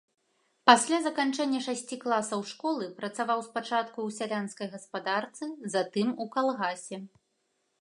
Пасля заканчэння шасці класаў школы працаваў спачатку ў сялянскай гаспадарцы, затым у калгасе.